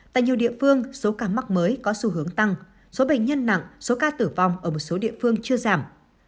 tại nhiều địa phương số ca mắc mới có xu hướng tăng số bệnh nhân nặng số ca tử vong ở một số địa phương chưa giảm